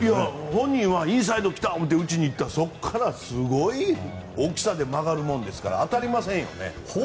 本人はインサイドに来たと思って打ちにいったらそこからすごい大きさで曲がるもんですから当たりませんよね。